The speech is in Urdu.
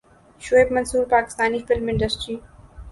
Shoaib Mansoor Pakistani film industry